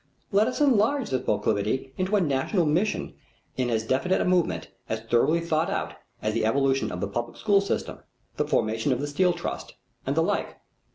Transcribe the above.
Let us enlarge this proclivity into a national mission in as definite a movement, as thoroughly thought out as the evolution of the public school system, the formation of the Steel Trust, and the like.